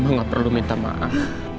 aku gak perlu minta maaf